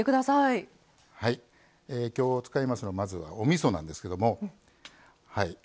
きょう使いますのは、まずおみそなんですけども。